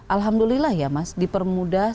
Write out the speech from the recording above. alhamdulillah ya mas dipermudah